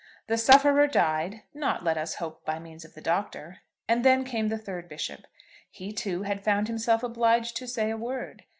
The sufferer died, not, let us hope, by means of the Doctor; and then came the third bishop. He, too, had found himself obliged to say a word.